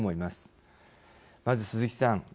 まず鈴木さん